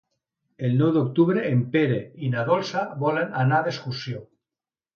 El nou d'octubre en Pere i na Dolça volen anar d'excursió.